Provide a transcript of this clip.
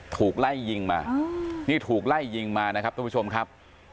ถูกไล่ยิงมานี่ถูกไล่ยิงมานะครับทุกผู้ชมครับ